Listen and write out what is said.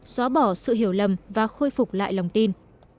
xóa bỏ sự hiểu lầm và khôi phục lại lòng tin